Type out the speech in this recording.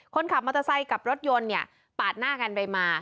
คนขับมอเตอร์ไซค์กับรถยนต์เนี่ยปาดหน้ากันไปมา